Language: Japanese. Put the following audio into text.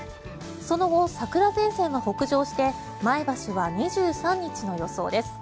その後、桜前線は北上して前橋は２３日の予想です。